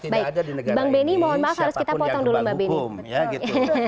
baik bang benny mohon maaf harus kita potong dulu mbak benny